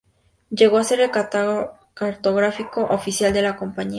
Llegó a ser el cartógrafo oficial de la compañía.